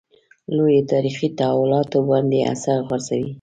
لویو تاریخي تحولاتو باندې اثر غورځوي.